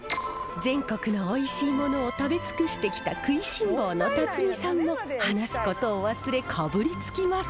全国のおいしいものを食べ尽くしてきた食いしん坊の辰巳さんも話すことを忘れかぶりつきます。